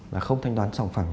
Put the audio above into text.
là không thanh toán sổng phẳng